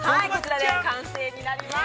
完成になります。